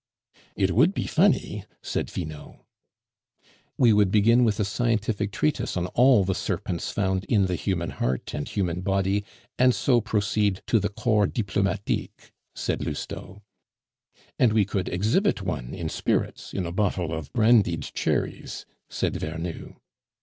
"It would be funny," said Finot. "We would begin with a scientific treatise on all the serpents found in the human heart and human body, and so proceed to the corps diplomatique," said Lousteau. "And we could exhibit one in spirits, in a bottle of brandied cherries," said Vernou.